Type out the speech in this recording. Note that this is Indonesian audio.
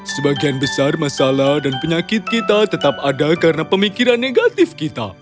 sebagian besar masalah dan penyakit kita tetap ada karena pemikiran negatif kita